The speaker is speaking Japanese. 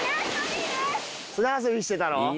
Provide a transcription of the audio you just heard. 砂遊びしてたの？